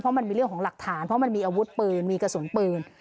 เพราะมันมีเรื่องของหลักฐานเพราะมันมีอาวุธปืนมีกระสุนปืน